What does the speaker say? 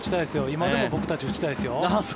今でも僕たち打ちたいですよ。